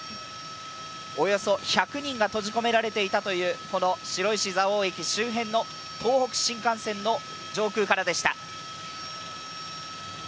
およそ１００人が閉じ込められていたという白石蔵王駅周辺の東北新幹線の上空からでした。